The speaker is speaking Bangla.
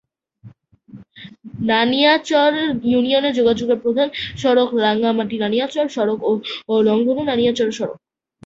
নানিয়ারচর ইউনিয়নে যোগাযোগের প্রধান সড়ক রাঙ্গামাটি-নানিয়ারচর সড়ক ও লংগদু-নানিয়ারচর সড়ক।